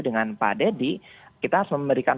dengan pak dedy kita harus memberikan